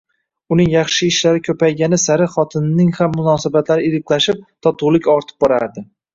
Uning yaxshi ishlari ko`paygani sari xotinining ham munosabatlari iliqlashib, totuvlik ortib borardi